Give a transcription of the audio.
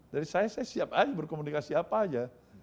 dari saya saya siap aja berkomunikasi apa aja